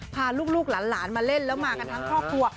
พาลูกหลานมาเล่นแล้วมากันทั้งครอบครัว